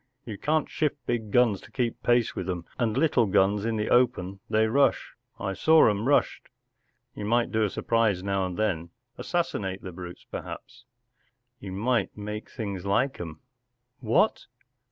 You can't shift big guns to keep pace with them, and little guns in the open they rush. I saw' 'em rushed. You might do a surprise now and then—assassinate the brutes, perhaps——” “You might make things like 'em.” “ What